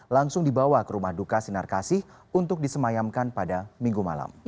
langsung dibawa ke rumah duka sinar kasih untuk disemayamkan pada minggu malam